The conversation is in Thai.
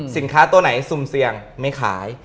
ตัวไหนซุ่มเสี่ยงไม่ขาย